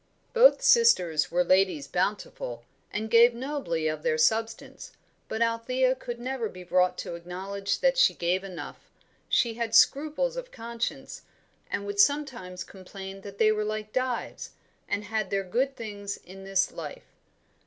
Both sisters were Ladies Bountiful, and gave nobly of their substance, but Althea could never be brought to acknowledge that she gave enough; she had scruples of conscience, and would sometimes complain that they were like Dives, and had their good things in this life.